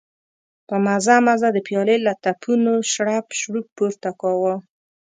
په مزه مزه د پيالې له تپونو شړپ شړوپ پورته کاوه.